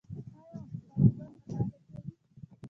آیا او خپله برخه نه ادا کوي؟